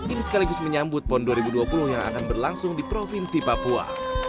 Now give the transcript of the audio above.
ini sekaligus menyambut pon dua ribu dua puluh yang akan berlangsung di provinsi papua